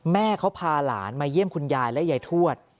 แม่เขาพาหลานมาเยี่ยมคุณยายและยายทวด